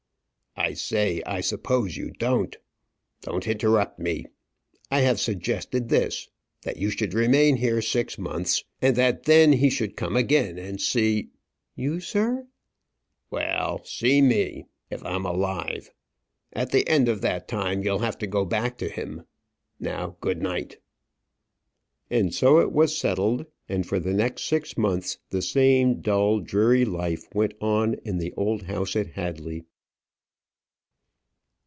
"I say I suppose you don't. Don't interrupt me I have suggested this: that you should remain here six months, and that then he should come again and see " "You, sir." "Well see me, if I'm alive: at the end of that time you'll have to go back to him. Now, good night." And so it was settled; and for the next six months the same dull, dreary life went on in the old house at Hadley.